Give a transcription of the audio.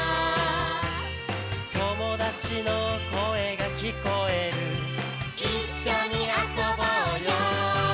「友達の声が聞こえる」「一緒に遊ぼうよ」